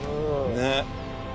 ねっ。